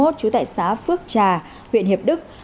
trú tại xã phước trà huyện hiệp đức